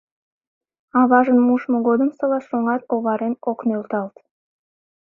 Аважын мушмо годымсыла шонат оварен ок нӧлталт.